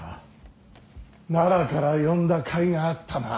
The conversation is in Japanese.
奈良から呼んだ甲斐があったな。